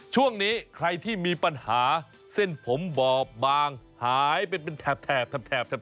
ช่วงนี้ใครที่มีปัญหาเส้นผมบอบบางหายเป็นแถบเนี่ยนะครับ